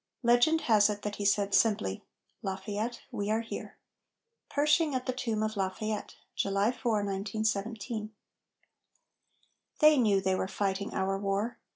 Legend has it that he said simply, "Lafayette, we are here." PERSHING AT THE TOMB OF LAFAYETTE [July 4, 1917] They knew they were fighting our war.